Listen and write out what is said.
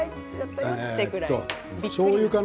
しょうゆかな？